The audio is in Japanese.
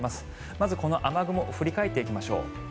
まず、この雨雲振り返っていきましょう。